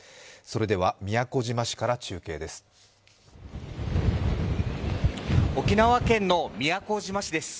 それでは宮古島市から中継です。